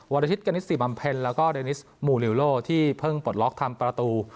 รทิศกณิสิบำเพ็ญแล้วก็เดนิสมูลิวโลที่เพิ่งปลดล็อกทำประตู